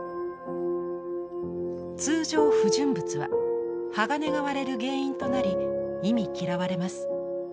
通常不純物は鋼が割れる原因となり忌み嫌われます。